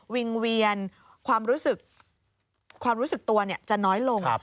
วิ่งเวียนความรู้สึกตัวจะน้อยลง